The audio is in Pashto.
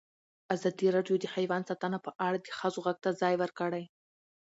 ازادي راډیو د حیوان ساتنه په اړه د ښځو غږ ته ځای ورکړی.